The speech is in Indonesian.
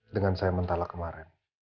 dengan saya mentala kemarin